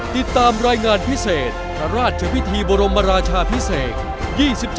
ติดตามรายงานพิเศษพระราชพิธีบรมราชาพิเศษ